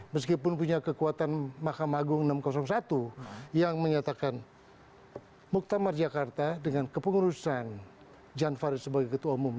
meskipun punya kekuatan mahkamah agung enam ratus satu yang menyatakan muktamar jakarta dengan kepengurusan jan farid sebagai ketua umum